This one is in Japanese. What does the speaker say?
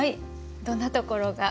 どんなところが？